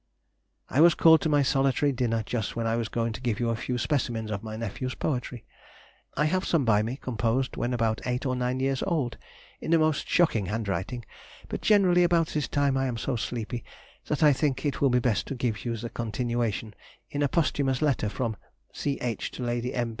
I was called to my solitary dinner just when I was going to give you a few specimens of my nephew's poetry; I have some by me, composed when about eight or nine years old, in a most shocking handwriting; but generally about this time I am so sleepy that I think it will be best to give you the continuation in a posthumous letter from C. H. to Lady M.